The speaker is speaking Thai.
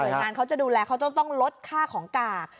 โดยงานเขาจะดูแลเขาต้องลดค่าของกาก